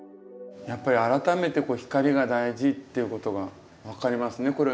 やっぱり改めて光が大事っていうことが分かりますね